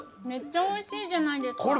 めっちゃおいしいじゃないですか。